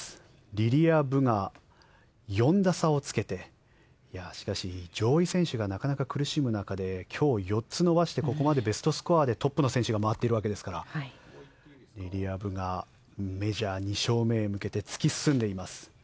リリア・ブが４打差をつけてしかし、上位選手がなかなか苦しむ中で今日、４つ伸ばしてここまでベストスコアでトップの選手が回っているわけですからリリア・ブがメジャー２勝目へ向けて突き進んでいます。